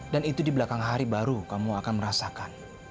dan itu di belakang hari baru kamu akan merasakan